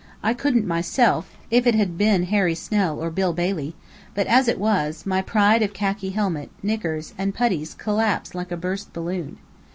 I couldn't myself, if it had been Harry Snell or Bill Bailey; but as it was, my pride of khaki helmet, knickers, and puttees collapsed like a burst balloon.